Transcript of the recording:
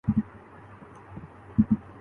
ان کا بیٹا وہاں کے دس امیرترین افراد میں شامل ہے۔